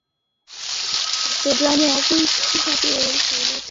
চট্টগ্রামে অবৈধভাবে রেলের ছাদে ওঠা যাত্রীদের সর্বস্ব লুট করে নিচ্ছে সংঘবদ্ধ ছিনতাইকারীরা।